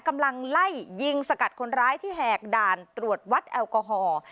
กำลังไล่ยิงสกัดคนร้ายที่แหกด่านตรวจวัดแอลกอฮอล์